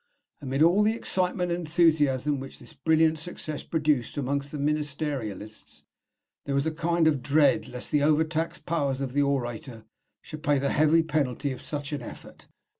Amid all the excitement and enthusiasm which this brilliant success produced among the ministerialists, there was a kind of dread lest the overtaxed powers of the orator should pay the heavy penalty of such an effort.